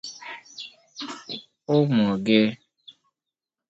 ụmụ Gị